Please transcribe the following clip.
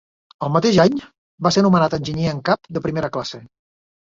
Al mateix any, va ser nomenat enginyer en cap de primera classe.